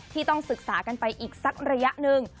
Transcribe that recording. ที่ต้องศึกษากันไปอีกสักระยะหนึ่ง